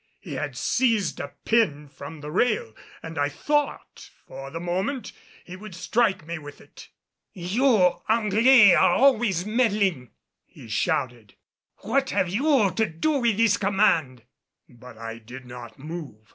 He had seized a pin from the rail and I thought for the moment he would strike me with it. "You Anglais are always meddling," he shouted. "What have you to do with this command?" But I did not move.